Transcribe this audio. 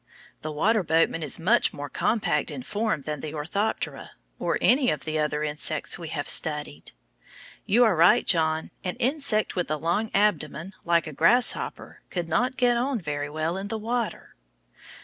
The water boatman is much more compact in form than the Orthoptera, or any of the other insects we have studied. You are right, John, an insect with a long abdomen, like the grasshopper, could not get on very well in the water.